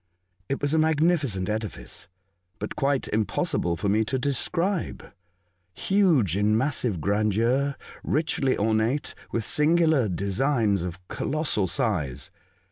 It was a magnificent edifice, but quite impossible for me to describe ; huge in massive grandeur, richly ornate with singular designs of colossal size.